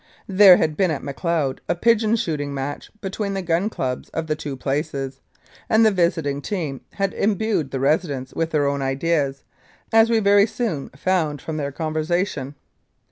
There had just been at Macleod a pigeon shooting match between the gun clubs of the two places, and the visiting team had imbued the residents with their own ideas, as we very soon found from their conversation.